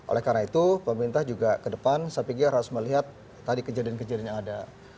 oleh karena itu pemerintah juga ke depan saya pikir harus melihat tadi kejadian kejadian yang ada